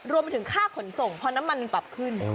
รวมไปถึงค่าขนส่งพอน้ำมันปรับขึ้น